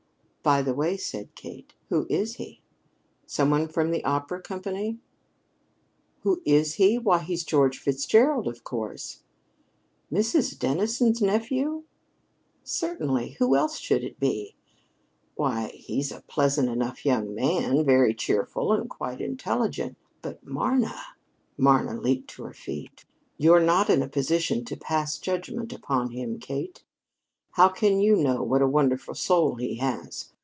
"By the way," said Kate, "who is he? Someone from the opera company?" "Who is he? Why, he's George Fitzgerald, of course." "Mrs. Dennison's nephew?" "Certainly. Who else should it be?" "Why, he's a pleasant enough young man very cheerful and quite intelligent but, Marna " Marna leaped to her feet. "You're not in a position to pass judgment upon him, Kate. How can you know what a wonderful soul he has?